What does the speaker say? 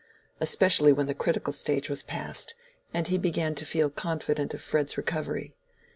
Especially when the critical stage was passed, and he began to feel confident of Fred's recovery.